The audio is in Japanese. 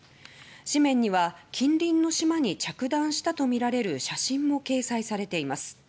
紙面には、近隣の島に着弾したとみられる写真も掲載されています。